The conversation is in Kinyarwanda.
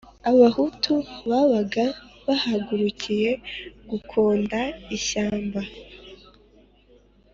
abahutu babaga bahagurukiye gukonda ishyamba